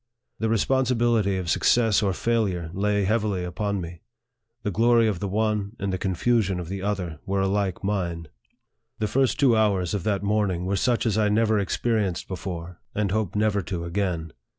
The responsibility of success or failure lay heavily upon me. The glory of the one, and the confusion of the other, were alike mine. The first two hours of that morning were such as I never experienced before, and hope never to again.